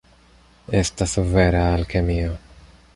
Estas vera alkemio.